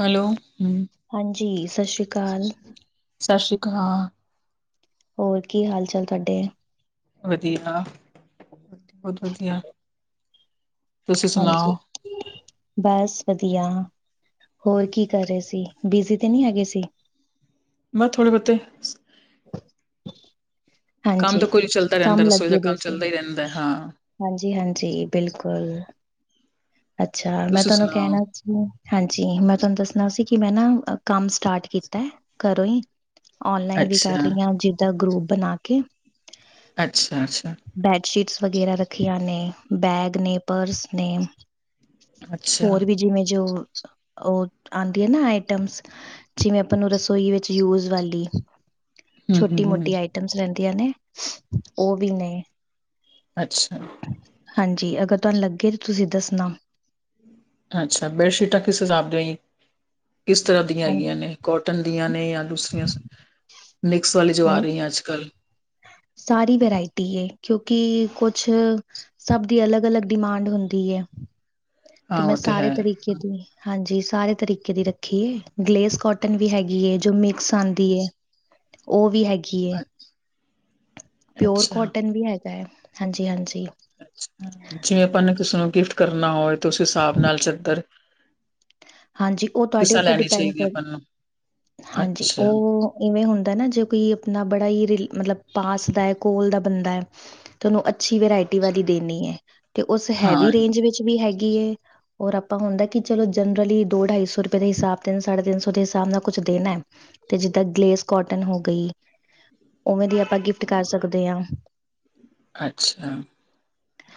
Hello, ਹਾਂਜੀ, ਸਤਿ ਸ਼੍ਰੀ ਅਕਾਲ। ਸਤਿ ਸ੍ਰੀ ਅਕਾਲ। ਹੋਰ ਕੀ ਹਾਲ ਚਾਲ ਤੁਹਾਡੇ ਵਦੀਆ ਬਹੁਤ ਵਦੀਆ ਹਾਂਜੀ ਬਸ ਵਧੀਆ ਹੋਰ ਕੀ ਕਰ ਰਏ ਸੀ, ਬਿਜੀ ਤੇ ਨਹੀਂ ਹੈਗੇ ਸੀ ਮੈਂ ਥੋੜੇ ਬੋਹਤੇ [unintelligible] ਕੰਮ ਹਾਂਜੀ, ਤਾਂ ਕੋਈ ਚੱਲਦਾ ਰਹਿੰਦਾ ਕੰਮ ਰਸੋਈ ਦਾ ਲੱਗੇ ਦੇ ਕੰਮ ਸੀ। ਚੱਲਦਾ ਈ ਰਹਿੰਦਾ ਹਾਂ ਹਾਂਜੀ ਹਾਂਜੀ ਬਿਲਕੁਲ ਅੱਛਾ ਮੈਂ ਤੁਸੀਂ ਤੁਹਾਨੂੰ ਸੁਣਾਓ ਕਹਿਨਾ ਸੀ ਹਾਂਜੀ ਮੈਂ ਤੁਹਾਨੂੰ ਦੱਸਣਾ ਸੀ ਕਿ ਮੈਂ ਨਾ ਕੰਮ ਸਟਾਰਟ ਕੀਤਾ ਘਰੋਂ ਹੀ। ਔਨਲਾਈਨ ਵੀ ਕਰ ਅੱਛਾ ਰਹੀ ਆ ਜਿੰਦਾ ਗਰੁਪ ਬਣਾ ਕੇ ਅੱਛਾ-ਅੱਛਾ ਬੈਡਸ਼ੀਟਸ ਵਗੈਰਾ ਰੱਖੀਆਂ ਨੇ ਬੈਗ ਨੇ ਪਰਸ ਨੇ। ਅੱਛਾ ਹੋਰ ਵੀ ਜਿਵੇਂ ਜੋ ਉਹ ਆੰਦੀ ਏ ਨਾ ਆਈਟਮਸ ਜਿਵੇਂ ਆਪਾਂ ਨੂੰ ਰਸੋਈ ਵਿਚ ਯੂਜ ਵਾਲੀ ਹੂੰ ਹੂੰ ਹੂੰ ਛੋਟੀ-ਮੋਟੀ ਆਈਟਮਸ ਰਹਿੰਦੀਆਂ ਨੇ ਉਹ ਵੀ ਨੇ ਅੱਛਾ ਹਾਂਜੀ, ਅਗਰ ਤੁਹਾਨੂੰ ਲੱਗੇ ਤਾਂ ਤੁਸੀਂ ਦੱਸਣਾ। ਅੱਛਾ ਬੈਡਸ਼ੀਟਾਂ ਕਿਸ ਹਿਸਾਬ ਦੀ ਹੀ ਕਿਸ ਤਰ੍ਹਾਂ ਦੀਆਂ ਹੈਗੀਆਂ ਨੇ। ਕੋਟਨ ਦੀਆਂ ਨੇ ਜਾਂ ਦੂਸਰੀਆਂ ਮਿਕਸ ਵਾਲੀਆ ਜਵਾ ਹਾਂ-ਹਾਂ। ਰਹੀਆਂ ਅੱਜ ਕੱਲ੍ਹ ਸਾਰੀ ਵਰਾਇਟੀ ਏ ਕਿਉਂਕਿ ਕੁਛ, ਸਭ ਦੀ ਅਲੱਗ ਅਲੱਗ ਡਿਮਾਂਡ ਹੁੰਦੀ ਹੈ, ਤੇ ਹਾਂ ਮੈਂ ਉਹ ਹੈ ਸਾਰੇ ਤਰੀਕੇ, ਦੀ ਹਾਂਜੀ ਸਾਰੇ ਤਰੀਕੇ ਦੀ ਰੱਖੀਏ ਗਲੇਸ ਕੋਟਨ ਵੀ ਹੈਗੀ। ਜੋ ਮਿਕਸ ਆਉਂਦੀ ਹੈ ਉਹ ਵੀ ਹੈਗੀ। ਏ ਅੱਛਾ ਪਿਓਰ ਕੋਟਨ ਵੀ ਹੈਗਾ ਹੈ। ਹਾਂਜੀ ਹਾਂਜੀ। ਜਿਵੇਂ ਆਪਾਂ ਨੇ ਕਿਸੇ ਨੂੰ ਗਿਫਟ ਕਰਨਾ ਹੋਵੇ, ਤੇ ਉਸ ਹਿਸਾਬ ਹਾਂਜੀ ਨਾਲ ਚਾਦਰ ਹਾਂਜੀ ਉਹ ਤੁਹਾਡੇ ਤਰ੍ਹਾਂ ਉੱਪਰ ਲੈਣੀ ਡਿਪੈਂਡ ਚਾਹੀਦੀ ਹੈ ਕਰ, ਆਪਾਂ ਨੂੰ ਹਾਂਜੀ ਅੱਛਾ ਉਹ ਇਵੇਂ ਹੁੰਦਾ ਨਾ ਜੇ ਕੋਈ ਆਪਣਾ ਬੜਾ ਹੀ ਮਤਲਬ ਪਾਸ ਦਾ ਹੈ, ਕੋਲ ਦਾ ਬੰਦਾ ਹੈ ਤੁਹਾਨੂੰ ਅੱਛੀ ਵਰਾਇਟੀ ਵਾਲੀ ਦੇਣੀ ਹੈ। ਤੇ ਉਸ ਹਾਂ ਹੈਵੀ ਰੇਂਜ ਵਿੱਚ ਵੀ ਹੈਗੀ ਏ, ਆਪਾਂ ਹੁੰਦਾ ਕਿ ਚਲੋ ਜਨ ਲਈ ਦੋ ਢਾਈ ਸੌ ਰੁਪਏ ਦੇ ਹਿਸਾਬ ਤਨ ਸਾਢੇ ਤਿੰਨ ਸੌ ਦੇ ਹਿਸਾਬ ਨਾਲ ਕੁਛ ਦੇਣਾ ਹੈ। ਤੇ ਜਿੱਦਾਂ ਗਲੇਸ ਕੋਟਨ ਹੋ ਗਈ। ਉਵੇਂ ਦੀ ਆਪਾਂ ਗਿਫਟ ਕਰ ਸਕਦੇ ਹਾਂ। ਅੱਛਾ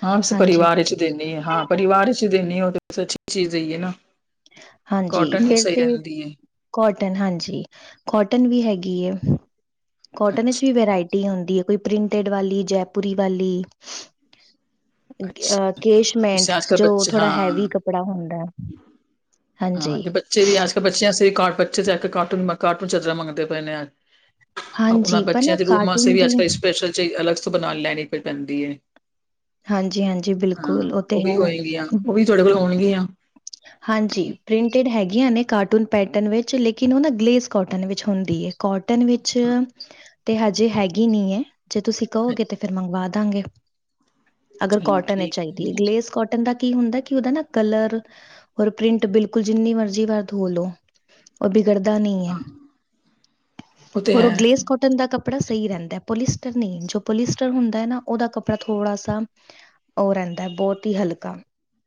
ਹਾਂ ਉਸ ਹਾਂਜੀ ਪਰਿਵਾਰ ਚ। ਦੇਨੀ ਹ ਹਾਂ ਪਰਿਵਾਰ ਚ ਦੇਦੇ ਹੋ, ਬ ਅੱਛੀ ਚੀਜ਼ ਦ‌ਈਏ ਹੈ ਨਾ ਹਾਂਜੀ, ਕੋਟਨ ਹੀ ਫਿਰ ਸਹੀ ਤੇ ਰਹਿੰਦੀ ਹੈ ਕੋਟਨ ਹਾਂਜੀ ਕੋਟਨ ਵੀ ਹੈਗੀ ਹੈ, ਕੋਟਨ ਵਿਚ ਅੱਛਾ ਵੀ ਵਰਾਇਟੀ ਟੀ ਹੁੰਦੀ ਹੈ ਕੋਈ ਪ੍ਰਿੰਟਡ ਵਾਲੀ ਜੈਪੁਰੀ ਵਾਲੀ। ਅੱਛਾ ਹ ਕੇਸ਼ਮੈਂਟ ਵੈਸੇ ਅੱਜ ਕੱਲ੍ਹ ਜੋ ਬੱਚੇ ਥੋੜਾ ਹੈਵੀ ਹਾਂ ਕੱਪੜਾ ਹੁੰਦਾ ਹੈ। ਹਾਂ ਹਾਂਜੀ ਤੇ ਬੱਚੇ ਵੀ ਅੱਜ ਕੱਲ ਬੱਚਿਆਂ ਵੀ ਬੱਚੇ ਜਾ ਕੇ ਕਾਰਟੂਨ ਕਾਰਟੂਨ ਚਾਦਰਾ ਮੰਗਦੇ ਪਏ ਨੇ ਆ। ਉਹਨਾਂ ਹਾਂਜੀ ਪਰ ਬੱਚਿਆਂ ਨਾ ਦੇ ਰੂਮ ਵਾਸਤੇ ਕਾਰਟੂਨ ਵੀ ਅੱਜ ਦੀ ਕੱਲ੍ਹ ਸਪੈਸ਼ਲ ਚਹੀ, ਅਲੱਗ ਤੋਂ ਬਣਾ ਲੈਣੀ ਪਈ ਪੈਂਦੀ ਹੈ। ਹਾਂਜੀ ਹਾਂਜੀ। ਹਾਂ ਉਹ ਵੀ ਹੋਏਗੀਆਂ, ਉਹ ਵੀ ਤੁਹਾਡੇ ਕੋਲ ਹੋਣਗੀਆਂ। ਹਾਂਜੀ ਪ੍ਰਿੰਟਿਡ ਹੈਗੀਆਂ ਨੇ ਕਾਰਟੂਨ ਪੈਟਰਨ ਵਿੱਚ, ਲੇਕਿਨ ਉਹ ਨਾ ਗਲੇਸ ਕੋਟਨ ਵਿੱਚ ਹੁੰਦੀ ਹੈ। ਕੋਟਨ ਵਿੱਚ ਤੇ ਹਜੇ ਹੈਗੀ ਨਹੀਂ ਹੈ। ਜੇ ਤੁਸੀਂ ਕਹੋਗੇ ਤਾਂ ਫਿਰ ਮੰਗਵਾ ਦਾਂਗੇ। ਅਗਰ ਚਲੋ ਕੋਟਨ ਇਹ ਠੀਕ ਚਾਹੀਦੀ। ਗਲੇਸ ਕੋਟਨ ਦਾ ਕੀ ਹੁੰਦਾ ਕਿ ਉਹਦਾ ਨਾ ਕਲਰ ਰ ਪ੍ਰਿੰਟ ਬਿਲਕੁਲ ਜਿੰਨੀ ਮਰਜ਼ੀ ਵਰ ਧੋ ਲੋ। ਉਹ ਬਿਗੜਦਾ ਨਹੀਂ ਹੈ, ਤੇ ਹੋਰ ਉਹ ਹੈ ਗਲੇਸ ਕੋਟਨ ਦਾ ਕੱਪੜਾ ਸਹੀ ਰਹਿੰਦਾ ਹੈ। ਪੋਲਿਸਟਰ ਨਹੀਂ ਜੋ ਪੋਲਿਸਟਰ ਹੁੰਦਾ ਹੈ ਨਾ, ਉਹਦਾ ਕੱਪੜਾ ਥੋੜਾ ਸ ਉਹ ਰਹਿੰਦਾ ਬਹੁਤ ਹੀ ਹਲਕਾ,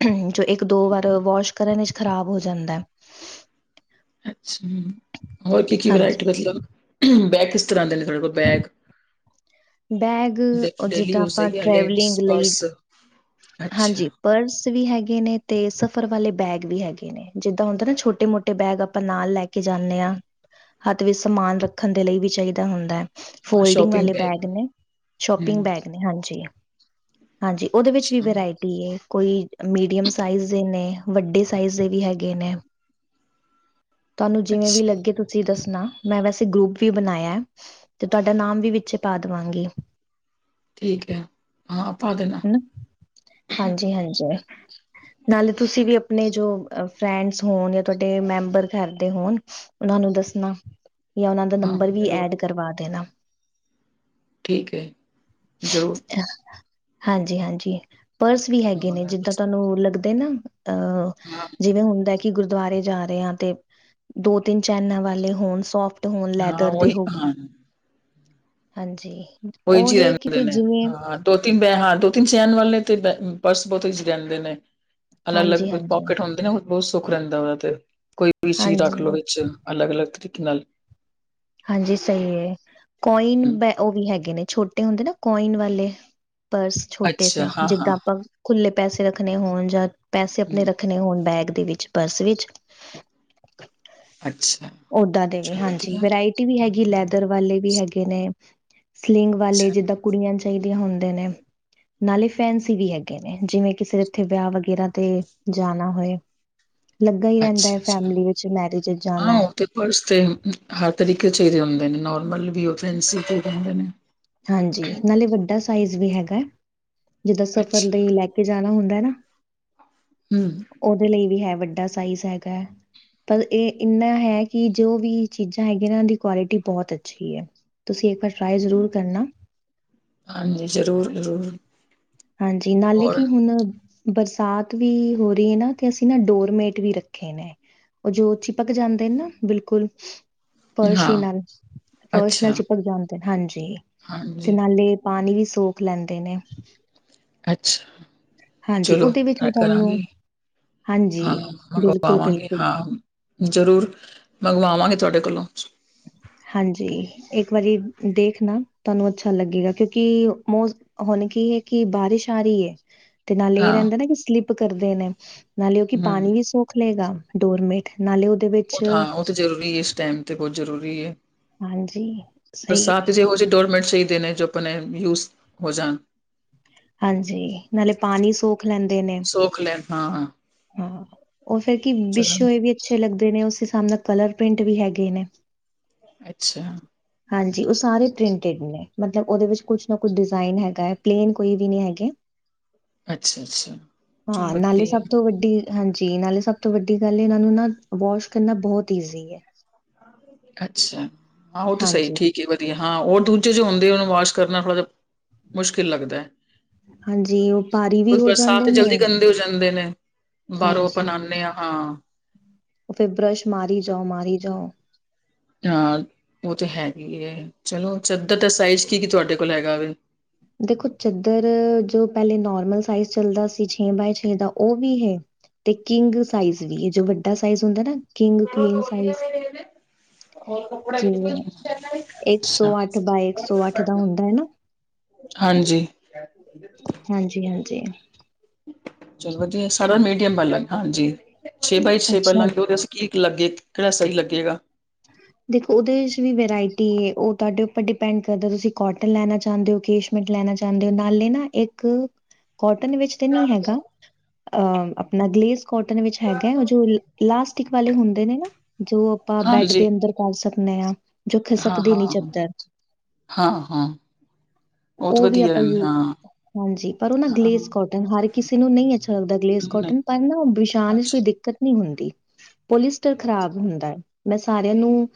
ਹਮ ਜੋ ਇੱਕ ਦੋ ਵਾਰ ਵਾਸ਼ ਕਰਨ ਵਿੱਚ ਖ਼ਰਾਬ ਹੋ ਜਾਂਦਾ ਹੈ। ਅੱਛਾ ਹੋਰ ਕੀ ਕੀ ਹਾਂਜੀ ਵਰਾਇਟੀ ਮਤਲਬ, ਬੈਗ ਕਿਸ ਤਰ੍ਹਾਂ ਦੇ ਨੇ, ਤੁਹਾਡੇ ਕੋਲ ਬੈਗ ਬੈਗ ਡੇ ਜਿੱਦਾਂ ਆਪਾਂ ਟਰੈਵਲਿੰਗ ਲਈ ??? ਹਾਂਜੀ। ਪਰਸ ਵੀ ਹੈਗੇ ਨੇ, ਤੇ ਸਫ਼ਰ ਵਾਲੇ ਬੈਗ ਵੀ ਹੈਗੇ ਨੇ। ਜਿੱਦਾਂ ਹੁੰਦਾ ਨਾ ਛੋਟੇ ਮੋਟੇ ਬੈਗ ਆਪਾਂ ਨਾਲ ਲੈ ਕੇ ਕੇ ਜਾਂਦੇ ਹਾਂ, ਹੱਥ ਵਿੱਚ ਸਮਾਨ ਰੱਖਣ ਦੇ ਲਈ ਵੀ ਚਾਹੀਦਾ ਹੁੰਦਾ ਹੈ। ਹਾਂ ਫੋਲਡਿੰਗ ਸ਼ੋਪਿੰਗ ਵਾਲੇ ਬੈਗ ਹੂੰ, ਨੇ ਸ਼ੋਪਿੰਗ ਬੈਗ ਨੇ, ਹਾਂਜੀ ਹਾਂਜੀ। ਉਹਦੇ ਵਿੱਚ ਵੀ ਅੱਛਾ। ਵਰਾਇਟੀ ਏ, ਕੋਈ ਮੀਡੀਅਮ ਸਾਈਜ਼ ਦੇ ਨੇ, ਵੱਡੇ ਸਾਈਜ਼ ਦੇ ਵੀ ਹੈਗੇ ਨੇ। ਤੁਹਾਨੂੰ ਜਿਵੇਂ ਵੀ ਅੱਛਾ, ਲੱਗੇ, ਤੁਸੀਂ ਦੱਸਣਾ। ਮੈਂ ਵੈਸੇ ਗਰੁੱਪ ਵੀ ਬਣਾਇਆ ਤੇ ਤੁਹਾਡਾ ਨਾਮ ਵੀ ਵਿੱਚੇ ਪਾ ਦੇਵਾਂਗੀ ਠੀਕ ਹੈ। ਹਾਂ ਪਦੇਨਾ ਹਨਾ ਹਾਂਜੀ ਹਾਂਜੀ ਨਾਲੇ ਤੁਸੀਂ ਵੀ ਆਪਣੇ ਜੋ ਫਰੈਂਡਸ ਹੋਣ ਜਾਂ ਤੁਹਾਡੇ ਮੈਂਬਰ ਕਰਦੇ ਹੋਣ ਉਹਨਾ ਨੂੰ ਦੱਸਣਾ ਜਾਂ ਉਹ ਦਾ ਹਾਂ ਨੰਬਰ ਵੀ ਜ਼ਰੂਰ। ਐਡ ਕਰਵਾ ਦੇਣਾ ਠੀਕ ਹੈ। ਜ਼ਰੂਰ ਹਾਂਜੀ ਹਾਂਜੀ ਪਰਸ ਵੀ ਹੈਗੇ ਹਾਂ, ਨੇ ਜਿੱਦਾਂ ਤੁਹਾਨੂੰ ਲੱਗਦੇ ਨਾ ਅਹ ਜਿਵੇਂ ਹੁੰਣਦਾ ਕਿ ਗੁਰਦੁਆਰੇ ਜਾ ਰਹੇ ਆ ਤੇ ਦੋ ਤਿੰਨ ਚੈਨਾਂ ਵਾਲੇ ਹੋਣ ਸੋਫ ਹੋਣ ਹਾਂ ਲੈਦਰ ਦੇ ਉਹੀ ਹੋਣ ਹਾਂ, ਹਾਂਜੀ ਓਹੀ ਉਹ ਚ ਹੈ ਕਿ ਰਿਹੰਦੇ ਫਿਰ ਨੇ ਜਿਵੇਂ ਦੋ ਤਿੰਨ ਬ ਹਾਂ ਦੋ ਤਿੰਨ ਚੈਨ ਵਾਲੇ ਤੇ ਪਰਸ ਬਹੁਤ ਹੀ ਰਹਿੰਦੇ ਨੇ ਅਲੱਗ ਹਾਂਜੀ ਅਲੱਗ ਹਾਂਜੀ ਪਕਟ ਹੁੰਦੇ ਨੇ ਬਹੁਤ ਸੁੱਖ ਰਹਿੰਦਾ ਉਹਦਾ ਤੇ ਕੋਈ ਵੀ ਚੀਜ਼ ਹਾਂਜੀ ਰੱਖ ਲਓ ਵਿੱਚ ਅਲੱਗ-ਅਲੱਗ ਤਰੀਕੇ ਨਾਲ ਹਾਂਜੀ ਸਹੀ ਹੈ। ਕੋਇਨ ਹੂੰ, ਬੈ ਉਹ ਵੀ ਹੈਗੇ ਨੇ ਛੋਟੇ ਹੁੰਦੇ ਨਾ ਕੋਇਨ ਵਾਲੇ ਪਰਸ ਛੋਟੇ ਸ ਅੱਛਾ ਹਾਂ-ਹਾਂ ਜਿੱਦਾਂ ਆਪਾਂ ਖੁੱਲੇ ਪੈਸੇ ਰੱਖਣੇ ਹੋਣ ਜਾਂ ਪੈਸੇ ਆਪਣੇ ਹੂੰ, ਰੱਖਣੇ ਹੋਣ ਬੈਗ ਦੇ ਵਿੱਚ ਪਰਸ ਵਿੱਚ ਅੱਛਾ ਉਦਾਂ ਦੇ ਨਿ ਚਲੋ ਹਾਂਜੀ ਵਧੀਆ। ਵਰਾਇ ਹੈਗੀ ਲੈਦਰ ਹੂੰ, ਵਾਲੇ ਵੀ ਹੈਗੇ ਨੇ ਸਲਿੰਗ ਵਾਲੇ ਅੱਛਾ, ਜਿੱਦਾਂ ਕੁੜੀਆਂ ਚਾਹੀਦੀਆਂ ਹੁੰਦੇ ਨੇ ਨਾਲੇ ਫੈਨਸੀ ਵੀ ਹੈਗੇ ਨੇ ਜਿਵੇਂ ਕਿ ਇੱਥੇ ਵਿਆਹ ਵਗੈਰਾ ਤੇ ਜਾਣਾ ਹੋਏ ਲੱਗਾ ਹੀ ਰਹਿੰਦਾ ਹੈ। ਅੱਛਾ-ਅੱਛਾ ਫੈਮਿਲੀ ਵਿੱਚ ਮੈਰਿਜ ਚ ਹਾਂ ਜਾਣਾ ਏ ਉਹ ਤੇ ਪਰਸ ਤੇ ਹਰ ਤਰੀਕੇ ਚਾਹੀਦੇ ਹੁੰਦੇ ਨੇ ਨੋਰਮਲ ਵੀ ਉਹ ਫਸੀ ਚਾਹੀਦੇ ਹੁੰਦੇ ਨੇ ਹਾਂਜੀ ਨਾਲੇ ਵੱਡਾ ਸਾਈਜ਼ ਵੀ ਹੈਗਾ ਜਿੱਦਾਂ ਸਫ਼ਰ ਅੱਛਾ ਲਈ ਲੈ ਕੇ ਜਾਣਾ ਹੁੰਦਾ ਹੈ ਨਾ ਹਮ ਉਹਦੇ ਲਈ ਵੀ ਹੈ ਵੱਡਾ ਸਾਈਜ਼ ਹੈਗਾ ਹੈ ਪਰ ਇਹ ਇੰਨਾ ਹੈ ਕਿ ਜੋ ਵੀ ਚੀਜ਼ਾਂ ਹੈਗੀਆਂ ਇਹਨਾਂ ਦੀ ਕੁਆਲਿਟੀ ਬਹੁਤ ਅੱਛੀ ਹੈ ਤੁਸੀਂ ਇੱਕ ਵਾਰ ਟਰਾਈ ਜ਼ਰੂਰ ਕਰਨਾ ਹਾਂਜੀ ਜ਼ਰੂਰ ਜ਼ਰੂਰ ਹਾਂਜੀ ਨਾਲੇ ਕਿ ਹੁਣ ਬਰਸਾਤ ਵੀ ਹੋ ਰਹੀ ਹੈ ਨਾ ਤੇ ਅਸੀਂ ਨਾ ਡੋਰਮੇਟ ਵੀ ਰੱਖੇ ਨੇ ਉਹ ਜੋ ਚਿਪਕ ਜਾਂਦੇ ਨੇ ਨਾ ਬਿਲਕੁਲ ਹਾਂ ਫਰਸ਼ੀ ਨਾਲ ਫਰਸ਼ ਨਾਲ ਅੱਛਾ, ਚਿਪਕ ਜਾਂਣਦੇ ਹਾਂਜੀ ਤੇ ਹਾਂਜੀ ਨਾਲੇ ਪਾਣੀ ਵੀ ਸੋਖ ਲੈਂਦੇ ਨੇ ਅੱਛਾ ਹਾਂਜੀ ਚਲੋ ਉਹਦੇ ਵਿੱਚ ਤੈ ਵੀ ਤੁਹਾਨੂੰ ਕਰਾਂਗੇ ਹਾਂਜੀ ਹਾਂ ਮੰਗਵਾਵਾਂਗੇ ਬਿਲਕੁਲ-ਬਿਲਕੁਲ ਹਾਂ ਜ਼ਰੂਰ ਮੰਗਵਾਵਾਂਗੇ ਤੁਹਾਡੇ ਕੋਲੋਂ ਹਾਂਜੀ ਇੱਕ ਵਾਰੀ ਦੇਖ ਨਾ ਤੁਹਾਨੂੰ ਅੱਛਾ ਲੱਗੇਗਾ ਕਿਉਂਕਿ ਮੋਸ ਹੁਣ ਕੀ ਹੈ ਕਿ ਬਾਰਿਸ਼ ਆ ਰਹੀ ਹੈ ਤੇ ਨਾਲੇ ਇਹ ਹਾਂ, ਰਹਿੰਦਾ ਨਾ ਕਿ ਸਲਿੱਪ ਕਰਦੇ ਨੇ ਨਾਲੇ ਉਹ ਕਿ ਹੂੰ। ਪਾਣੀ ਵੀ ਸੌਖ ਲਏਗਾ ਡੋਰਮੇਟ ਨਾਲੇ ਉਹਦੇ ਉਹ ਵਿੱਚ ਤਾਂ ਹਾਂ, ਉਹ ਜ਼ਰੂਰੀ ਹੈ ਇਸ ਟਾਈਮ ਤੇ ਬਹੁਤ ਜ਼ਰੂਰੀ ਹੈ ਹਾਂਜੀ ਸਹੀ ਹੈ ਬਸਾਤ ਜੈ ਹੋਜੇ ਡੋਰਮੈਟ ਸਹੀ ਦੇਣੇ ਜੋ ਆਪਣੇ ਯੂਜ ਹੋ ਜਾਣ ਹਾਂਜੀ, ਨਾਲੇ ਪਾਣੀ ਸੌਖ ਲੈਂਦੇ ਨੇ। ਸੌਖ ਲੈਣ ਹਾਂ ਹਾਂ। ਹਾਂ ਉਹ ਫੇਰ ਕੀ ਚਲੋ ਵਿਸ਼ੋਏ ਵੀ ਅੱਛੇ ਲੱਗਦੇ ਨੇ, ਉਸ ਹਿਸਾਬ ਨਾਲ ਕਲਰ ਪ੍ਰਿੰਟ ਵੀ ਹੈਗੇ ਨੇ। ਅੱਛਾ। ਹਾਂਜੀ ਉਹ ਸਾਰੇ ਪ੍ਰਿੰਟਡ ਨੇ ਮਤਲਬ ਉਹਦੇ ਵਿੱਚ ਕੁਛ ਨਾ ਕੁਛ ਡਿਜ਼ਾਇਨ ਹੈਗਾ ਹੈ, ਪਲੇਨ ਕੋਈ ਵੀ ਨਹੀਂ ਹੈਗੇ। ਅੱਛਾ-ਅੱਛਾ ਹਾਂ, ਨਾਲੇ ਵਧੀਆ, ਸਭ ਤੋਂ ਵੱਡੀ ਹਾਂਜੀ ਨਾਲੇ ਸਭ ਤੋਂ ਵੱਡੀ ਗੱਲ, ਇਹਨਾਂ ਨੂੰ ਨਾ ਵਾਸ਼ ਕਰਨਾ ਬਹੁਤ ਈਜ਼ੀ ਹੈ। ਅੱਛਾ ਹਾਂ ਉਹ ਤਾਂ ਸਹੀ ਹਾਂਜੀ, ਠੀਕ। ਵਧੀਆ ਹਾਂ ਹੋਰ ਦੂਜੇ ਜੇ ਹੁੰਦੇ, ਉਹਨੂੰ ਵਾਸ਼ ਕਰਨਾ ਥੋੜਾ ਹਾ ਮੁਸ਼ਕਿਲ ਲੱਗਦਾ ਹੈ। ਹਾਂਜੀ ਉਹ ਭਾਰੀ ਵੀ ਕੋਈ ਹੋ ਬਰਸਾਤ ਜਾਂਦੇ ਤੇ ਜਲਦੀ ਨੇ ਗੰਦੇ ਹੋ ਜਾਂਦੇ ਨੇ, ਬਾਹਰੋਂ ਆਪਾਂ ਹਾਂਜੀ ਆਉਦੇ ਹਾਂ। ਹਾਂ। ਉਹ ਫਿਰ ਬ੍ਰਸ਼ ਮਾਰੀ ਜਾਓ, ਮਾਰੀ ਜਾਓ। ਉਹ ਤਾਂ ਹੈਗੀ ਹੈ, ਚਲੋ ਚਾਦਰ ਦਾ ਸਾਈਜ਼ ਕੀ ਕੀ ਤੁਹਾਡੇ ਕੋਲ ਹੈਗਾ? ਦੇਖੋ ਚਾਦਰ, ਜੋ ਪਹਿਲੇ ਨੋਰਮਲ ਸਾਈਜ਼ ਚੱਲਦਾ ਸੀ, ਛੇ ਬਾਏ ਛੇ ਦਾ ਉਹ ਵੀ ਹੈ। ਤੇ ਕਿੰਗ ਸਾਈਜ਼ ਵੀ ਹੈ, ਜੋ ਵੱਡਾ ਸਾਈਜ ਹੁੰਦਾ ਨਾ। ਕਿੰਗ ਮੋ ਕੁਈਨ ਤੋਂਲੀਆਂ ਸਾਈਜ਼ ਮੈਦੇ ਹੋਰ ਕਪੜਾ ਕੋ ਜਿਵੇਂ ਇੱਕ ਸੌ ਅੱਠ ਬਾਏ ਇੱਕ ਸੌ ਅੱਠ ਦਾ ਹੁੰਦਾ ਹੈ ਨਾ ਹਾਂਜੀ। ਹਾਂਜੀ ਹਾਂਜੀ। ਚਲੋ ਵਧੀਆ ਸਾਰਾ ਮੀਡੀਅਮ ਵਾਲਾਂ, ਹਾਂਜੀ ਛੇ ਬਾਏ ਛੇ ਅੱਛਾ ਪਾਂਗੇ ਉਹ ਅਸੀਂ। ਕੀ ਲੱਗੇ, ਕਿਹੜਾ ਸਹੀ ਲੱਗੇਗਾ। ਦੇਖੋ ਉਹਦੇ ਚ ਵੀ ਵਰਾਇਟੀ ਏ, ਉਹ ਤੁਹਾਡੇ ਉੱਪਰ ਡਿਪੈਂਡ ਕਰਦਾ ਤੁਸੀਂ ਕੋਟਨ ਲੈਣਾ ਚਾਹੁੰਦੇ ਹੋ। ਲੈਣਾ ਚਾਹੁੰਦੇ ਹੋ ਨਾਲੇ ਨਾ ਇੱਕ ਕੋਟਨ ਵਿੱਚ ਤੇ ਨਹੀਂ ਹੈਗਾ, ਅ ਆਪਣਾ ਗਲੇਸ ਕੋਟਨ ਵਿੱਚ ਹੈਗਾ ਹੈ, ਉਹ ਜੋ ਇਲਾਸਟਿਕ ਵਾਲੇ ਹੁੰਦੇ ਨੇ ਨਾ, ਜੋ ਆਪਾਂ ਬੈਡ ਹਾਂਜੀ ਦੇ ਕਰ ਸਕਦੇ ਆ। ਜੋ ਹਾਂ ਖਿਸਕਦੀ ਹਾਂ ਨੀ ਚੱਦਰ। ਹਾਂ ਹਾਂ ਬਹੁਤ ਉਹ ਵੀ ਵਧੀਆ ਹੈ। ਆਪਾਂ। ਹਾਂ ਹਾਂਜੀ। ਪਰ ਉਹ ਨਾ ਹਾਂ, ਗਲੇਸ ਕੋਟਨ, ਹਰ ਕਿਸੇ ਨੂੰ ਨਹੀਂ ਅੱਛਾ ਲੱਗਦਾ। ਗਲੇਸ ਨਹੀਂ ਕੋਟਨ ਪਰ ਨਾ ਵਿਸ਼ਾਨ ਵਿੱਚ ਕੋਈ ਅੱਛਾ ਦਿੱਕਤ, ਨਹੀਂ ਹੁੰਦੀ, ਪੋਲੀਸਟਰ ਖ਼ਰਾਬ ਨੀ ਹੁੰਦਾ ਹੈ। ਮੈਂ ਸਾਰਿਆਂ ਨੂੰ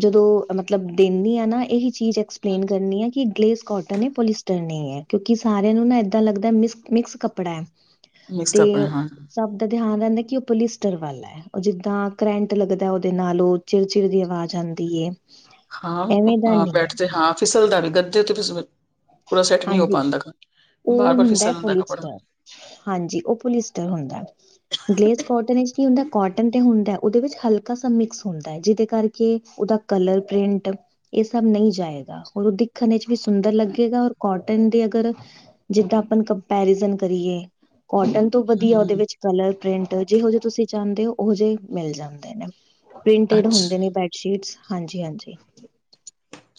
ਜਦੋਂ ਮਤਲਬ ਦਿੰਦੀ ਹਾਂ ਨਾ ਇਹੀ ਚੀਜ਼ ਐਕਸਪਲੇਨ ਕਰਨੀ ਹੈ, ਕਿ ਗਲੇਸ ਕੋਟਨ ਪੋਲੀਸਟਰ ਨਹੀਂ ਹੈ ਕਿਉਂਕਿ ਸਾਰਿਆਂ ਨੂੰ ਨਾ ਇਏਦਾਂ ਲੱਗਦਾ ਮ ਮਿਕਸ ਕੱਪੜਾ ਹੈ ਮਿਕਸ ਤੇ ਕੱਪੜਾ ਹਾਂ ਸਭ ਦਾ ਧਿਆਨ ਰਹਿੰਦੈ ਕਿ ਉਹ ਪੋਲੀਿਸਟਰ ਵਾਲੈ, ਉਹ ਜਿੱਦਾਂ ਕਰੈਂਟ ਲੱਗਦੈ ਉਹਦੇ ਨਾਲ ਉਹ ਚਿਰ ਚਿਰ ਦੀ ਆਵਾਜ਼ ਆਂਦੀ ਏ। ਹਾਂ, ਹਾਂ ਬੈਡ ਤੇ ਹਾਂ ਫਿਸਲਦਾ ਵੀ ਗੱਦੇ ਤੇ, ਫਲ ਪੂਰਾ ਸੈੱਟ ਨਹੀਂ ਹੋ ਹਾਂਜੀ ਪਾਂਦਾ। ਉਹ ਹੁੰਦੈ ਪੁਲਿਸਟਰ ਹਾਂਜੀ ਉਹ ਪੁਲਿਸਟਰ ਹੁੰਦੈ। ਗਲੇਸ ਕੋਟਨ ਇੱਚ ਕੀ ਹੁੰਦੈ ਕੋਟਨ ਤੇ ਹੁੰਦੈ ਉਹਦੇ ਵਿੱਚ ਹਲਕਾ ਸਾ ਮਿਕਸ ਹੁੰਦੈ ਜਿਹਦੇ ਕਰਕੇ ਉਹਦਾ ਕਲਰ ਪ੍ਰਿੰਟ ਇਹ ਸਭ ਨਹੀਂ ਜਾਏਗਾ ਹੋਰ ਉਹਦੀ ਵੇਖਣ ਇਚ ਵੀ ਸੁੰਦਰ ਲੱਗੇਗਾ ਔਰ ਕੋਟਨ ਦੇ ਅਗਰ ਜਿੱਦਾਂ ਆਪਾਂ ਕੰਪੈਰੀਜ਼ਨ ਕਰੀਏ, ਕੋਟਨ ਤੋਂ ਵਧੀਆ ਉਹਦੇ ਹਮ ਵਿੱਚ ਕਲਰ ਪ੍ਰਿੰਟ ਜਿਹੋ ਜੇ ਤੁਸੀਂ ਚਾਹੁੰਦੇ ਹੋੋ, ੳਹੋ ਜਹੇ ਮਿਲ ਜਾਂਦੇ ਨੇ, ਪ੍ਰਿੰਟਡ ਅੱਛਾ ਹੁੰਦੇ ਨੇ ਬ ਸ਼ੀਟਸ ਹਾਂਜੀ, ਹਾਂਜੀ।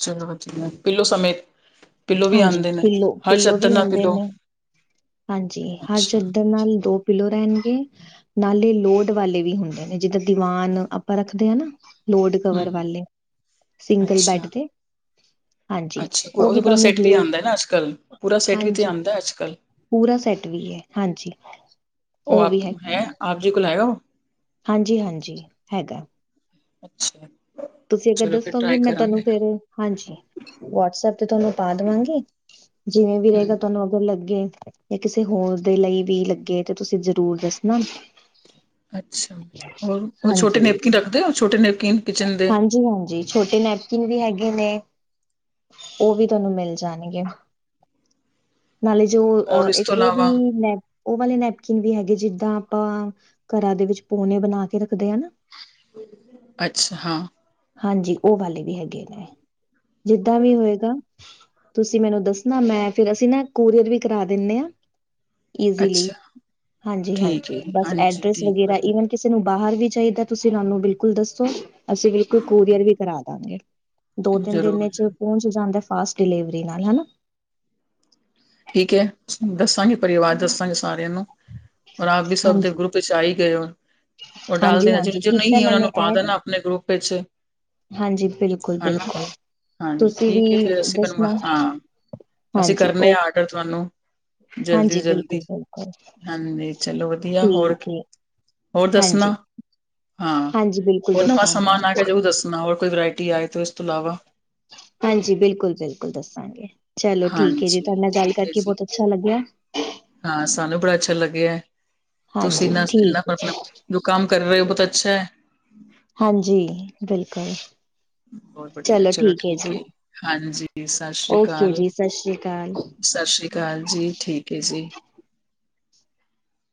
ਚਲੋ ਵਧੀਐ। ਪਿੱਲੋ ਸਮੇਤ, ਪਿੱਲੋ ਵੀ ਹਾਂਜੀ ਆਂਦੇ ਨੇ, ਪਿੱਲੋ ਹਰ ਪਿੱਲੋ ਚੱਦਰ ਵੀ ਨਾਲ ਹੁੰਦੇ ਪਿੱਲੋ ਨੇ ਹਾਂਜੀ, ਹਰ ਅੱਛਾ ਚੱਦਰ ਹੂੰ ਨਾਲ ਦੋ ਪਿਲੋ ਰਹਿਣਗੇ, ਨਾਲੇ ਲੋਡ ਵਾਲੇ ਵੀ ਹੁੰਦੇ ਨੇ, ਜਿੱਦਾਂ ਦੀਵਾਨ ਆਪਾਂ ਰੱਖਦੇ ਹਾਂ ਨਾ ਲੋਡ ਕਵਰ ਵਾਲੇ, ਸਿੰਗਲ ਬੈਡ ਅੱਛਾ ਦੇ ਹਾਂਜੀ ਅੱਛਾ, ਉਹ ਵੀ ਤੇ ਪੂਰਾ ਤੁਹਾਨੂੰ ਸੈੱਟ ਵੀ ਬਲੇਡ ਆਂਦਾ ਨਾ ਅੱਜ- ਕੱਲ, ਪੂਰਾ ਸੈਟ ਵੀ ਤੇ ਹਾਂਜੀ ਆਦਾਂ ਅੱਜ- ਕੱਲ੍ਹ ਪੂਰਾ ਸੈਟ ਵੀ ਏ, ਹਾਂਜੀ, ਉਹ ਵੀ ਹੈਗੈ। ਜਿੱਦੇ ਕੋਲੋਂ ਲਿਆਏ ਹੋ। ਹਾਂਜੀ, ਹਾਂਜੀ ਹੈਗਾ। ਅੱਛਾ ਤੁਸੀਂ ਅਗਰ ਚਲੋ ਫਿਰ ਦੱਸੋਗੇ ਟਰਾਈ ਮੈਂ ਤੁਹਾਨੂੰ ਕਰਾਂਗੇ ਫਿਰ, ਹਾਂਜੀ, ਵਟਸਐਪ ਤੇ ਤੁਹਾਨੂੰ ਪਾ ਦੇਵਾਂਗੀ। ਜਿਵੇਂ ਵੀ ਰਹੇਗਾ, ਹੂੰ ਤੁਹਾਨੂੰ ਅਗਰ ਲੱਗੇ ਜਾਂ ਕਿਸੇ ਹੋਰ ਦੇ ਲਈ ਵੀ ਲੱਗੇ, ਤੇ ਤੁਸੀਂ ਜ਼ਰੂਰ ਦੱਸਣਾ। ਅੱਛਾ, ਹੋਰ, ਉਹ ਛੋਟੇ ਹਾਂਜੀ ਨੈਪਕੀਨ ਰੱਖਦੇ ਹੋ, ਛੋਟੇ ਨੈਪਕੀਨ ਹਾਂਜੀ, ਹਾਂਜੀ, ਛੋਟੇ ਨੈਪਕਿਨ ਵੀ ਹੈਗੇ ਨੇ। ਉਹ ਵੀ ਤੁਹਾਨੂੰ ਮਿਲ ਜਾਣਗੇ। ਨਾਲੇ ਜੋ, ਔਰ ਅ ਇਸ ਤੋਂ ਇੱਕ ਉਹ ਇਲਾਵਾ ਵੀ ਨੈ ਉਹ ਵਾਲੇ ਨੈਪਕਿਨ ਵੀ ਹੈਗੇ, ਜਿੱਦਾਂ ਆਪਾਂ ਘਰਾਂ ਦੇ ਵਿੱਚ ਪੋਨੇ ਬਣਾ ਕੇ ਰੱਖਦੇ ਆ ਨਾ। ਅੱਛਾ, ਹਾਂ। ਹਾਂਜੀ, ਉਹ ਵਾਲੇ ਵੀ ਹੈਗੇ ਨੇ, ਜਿੱਦਾਂ ਵੀ ਹੋਏਗਾ ਤੁਸੀਂ ਮੈਨੂੰ ਦੱਸਣਾ, ਮੈਂ ਫਿਰ ਅਸੀਂ ਨਾ ਕੋਰੀਅਰ ਵੀ ਕਰਾ ਦੇਨੇ ਆਂ। ਇਜਲੀ, ਅੱਛਾ ਹਾਂਜੀ, ਠੀਕ ਹੈ ਹਾਂਜੀ ਬਸ ਹਾਂਜੀ ਐਡ੍ਰੈਸ ਠੀਕ ਵਗੈਰਹ ਇਵਨ ਵਧੀਆ ਕਿਸੇ ਨੂੰ ਬਾਹਰ ਵੀ ਚਾਹੀਦਾ ਤੁਸੀਂ ਸਾਨੂੰ ਬਿਲਕੁਲ ਦੱਸੋ, ਅਸੀਂ ਬਿਲਕੁਲ ਕੋਰੀਅਰ ਵੀ ਕਰਾ ਦਾਂਗੇ। ਦੋ -ਤਿੰਨ ਦਿਨ ਜ਼ਰੂਰ 'ਚ ਜ਼ਰੂਰ ਪਹੁੰਚ ਜਾਂਦਾ ਫਾਸਟ ਡਿਲੀਵਰੀ ਨਾਲ, ਹੈਨਾ। ਠੀਕ ਹੈ, ਦੱਸਾਂਗੇ ਪਰਿਵਾਰ, ਦੱਸਾਂਗੇ ਸਾਰਿਆਂ ਨੂੰ, ਔਰ ਆਪ ਵੀ ਸਭ ਦੇ ਹਾਂਜੀ ਗਰੁੱਪ ਵਿੱਚ ਆ ਹੀ ਗਏ ਹੋ, ਉਹ ਡਾਲ ਹਾਂਜੀ ਦੇਣਾ ਜੀ, ਹਾਂਜੀ ਜੋ ਨਹੀਂ ਕੀਤਾ ਹੀ ਉਹਨਾਂ ਮੈਨੇ ਨੂੰ ਪਾ ਐਡ ਦੇਣਾ ਆਪਣੇ ਗਰੁੱਪ ਇੱਚ ਹਾਂਜੀ ਬਿਲਕੁਲ ਹੈਨਾ, ਬਿਲਕੁਲ ਹਾਂਜੀ, ਤੁਸੀਂ ਠੀਕ ਏ ਵੀ ਫਿਰ ਅਸੀ ਬਨਵਾ ਦੱਸਣਾ ਹਾਂ ਅਸੀਂ ਹਾਂਜੀ ਕਰਨੇ ਆ ਉਹ ਆਡਰ ਤੁਹਾਨੂੰ, ਜਲਦੀ ਹਾਂਜੀ ਤੋਂ ਜਲਦੀ, ਬਿਲਕੁਲ ਬਿਲਕੁਲ ਹਾਂਜੀ ਚਲੋ ਵਧ ਵਧੀਆ ਹੋਰ ਠੀਕ ਕੀ, ਹੈ ਹੋਰ ਦੱਸਣਾ ਹਾਂਜੀ ਹਾਂ, ਹਾਂਜੀ ਬਿਲਕੁਲ ਹੋਰ ਨਵਾ ਦੱਸਾਂਗੇ ਸਮਾਨ ਆੲਗਾ ਜਰੂਰ ਦੱਸਣਾ, ਹੋਰ ਕੋਈ ਵਰਾਇਟੀ ਆਏ ਤੇ ਇਸ ਤੋਂ ਇਲਾਵਾ ਹਾਂਜੀ ਬਿਲਕੁਲ, ਬਿਲਕੁਲ ਦੱਸਾਂਗੇ, ਚਲੋ ਠੀਕ ਏ ਜੀ ਹਾਂਜੀ ਤੁਹਾਡੇ ਨਾਲ ਗੱਲ ਠੀਕ ਹੈ ਕਰਕੇ ਜੀ ਬਹੁਤ ਅੱਛਾ ਲੱਗਿਆ। ਹਾਂ, ਸਾਨੂੰ ਬੜਾ ਅੱਛਾ ਲੱਗਿਐ। ਤੁਸੀ ਹਾਂਜੀ ਇੰਨਾ, ਇਨਾ ਠੀਕ ਹੈ ਜੀ ਮਤਲਬ, ਜੋ ਕੰਮ ਕਰ ਰਹੇ ਹੋ ਬਹੁਤ ਅੱਛਾ। ਹਾਂਜੀ, ਬਿਲਕੁਲ। ਬਹੁਤ ਬੜੀਆ, ਚਲੋ ਠੀਕ ਏ, ਹਾਂਜੀ 'ਸਤਿ ਸ੍ਰੀ ਓਕੇ ਅਕਾਲ'। ਜੀ ਸਤਿ ਸ਼੍ਰੀ ਅਕਾਲ 'ਸਤਿ ਸ਼੍ਰੀ ਅਕਾਲ ਜੀ'ਠੀਕ ਏ ਜੀ।